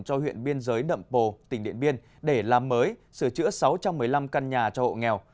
cho huyện biên giới đậm pồ tỉnh điện biên để làm mới sửa chữa sáu trăm một mươi năm căn nhà cho hộ nghèo